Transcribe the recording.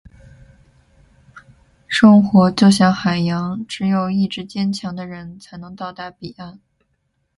生活就像海洋，只有意志坚强的人，才能到达彼岸。